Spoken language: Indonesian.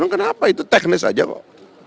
kenapa itu teknis saja kok